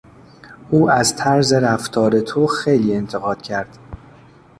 او از طرز رفتار تو خیلی انتقاد کرد.